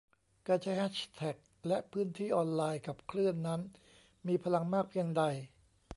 การใช้แฮชแท็กและพื้นที่ออนไลน์ขับเคลื่อนนั้นมีพลังมากเพียงใด